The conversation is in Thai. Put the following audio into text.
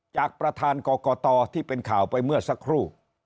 จากประธานกรกตที่เป็นข่าวไปเมื่อสักครู่